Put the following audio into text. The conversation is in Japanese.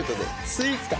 スイーツか。